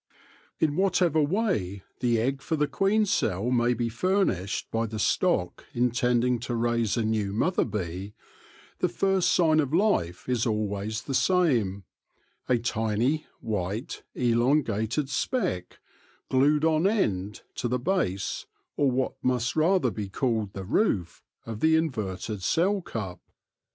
In whatever way the egg for the queen cell may be furnished by the stock intending to raise a new mother bee, the first sign of life is always the same — a tiny, white, elongated speck, glued on end to the base, or what must rather be called the roof, of the inverted cell cup.